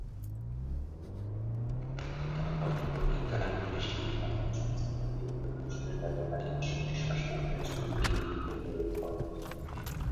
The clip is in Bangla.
মৃত্তিকা পদার্থবিজ্ঞান কৃষি, বাস্তুসংস্থান এবং প্রকৌশলের ব্যবহারিক সমস্যা সমাধানের জন্য এই নীতিগুলি প্রয়োগ করে।